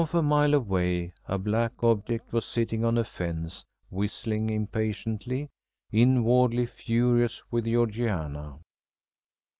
Half a mile away a black object was sitting on a fence whistling impatiently, inwardly furious with Georgiana.